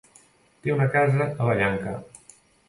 Té una casa a Vallanca.